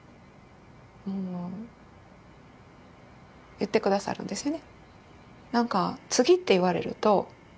言ってくださるんですね。